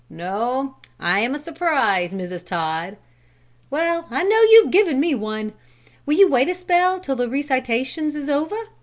"No, I'm a surprise, Mrs. Todd." "Well, I know you've given me one! Will you wait a spell till the recitations is over?